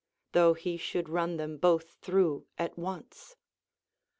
though he should run them both through at once.